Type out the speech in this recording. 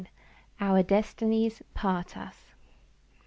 OUR DESTINIES PART US.